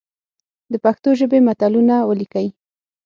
د پښتو ژبي متلونه ولیکئ!